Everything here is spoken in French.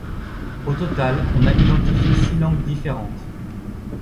Au total on a identifié six langues différentes.